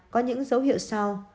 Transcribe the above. có những dấu hiệu sau